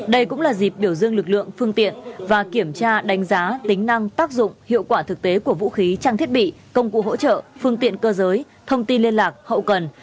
đây cũng là dịp biểu dương lực lượng phương tiện và kiểm tra đánh giá tính năng tác dụng hiệu quả thực tế của vũ khí trang thiết bị công cụ hỗ trợ phương tiện cơ giới thông tin liên lạc hậu cần